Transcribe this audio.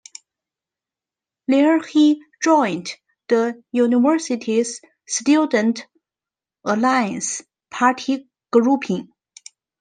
There he joined the university's student Alliance Party grouping.